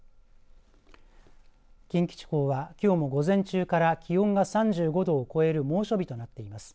近畿地方は、きょうも午前中から気温が３５度を超える猛暑日となっています。